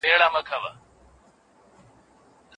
د بریا سند یوازي با استعداده کسانو ته نه سي ورکول کېدلای.